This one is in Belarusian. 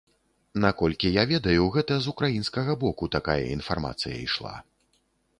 Наколькі я ведаю, гэта з украінскага боку такая інфармацыя ішла.